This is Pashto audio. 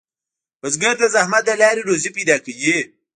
بزګر د زحمت له لارې روزي پیدا کوي